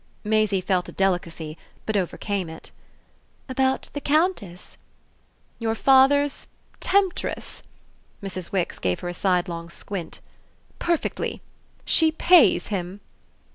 Maisie felt a delicacy but overcame it. "About the Countess?" "Your father's temptress?" Mrs. Wix gave her a sidelong squint. "Perfectly. She pays him!"